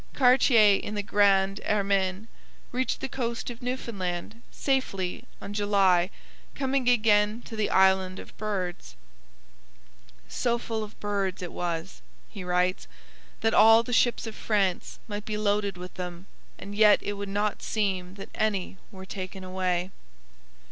Cartier in the Grande Hermine reached the coast of Newfoundland safely on July coming again to the Island of Birds. 'So full of birds it was,' he writes, 'that all the ships of France might be loaded with them, and yet it would not seem that any were taken away.'